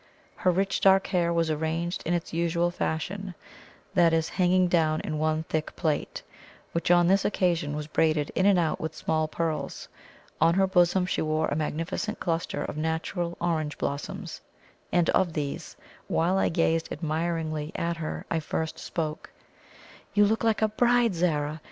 Her rich, dark hair was arranged in its usual fashion that is, hanging down in one thick plait, which on this occasion was braided in and out with small pearls. On her bosom she wore a magnificent cluster of natural orange blossoms; and of these, while I gazed admiringly at her, I first spoke: "You look like a bride, Zara!